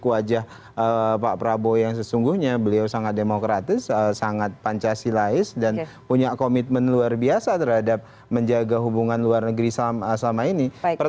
ini ya tidak menjadi poin penting bagi bu guzman untuk menunjuk wajah pak prabowo yang sesungguhnya beliau sangat demokratis sangat pancasilais dan punya komitmen luar biasa terhadap menjaga hubungan luar negeri selama ini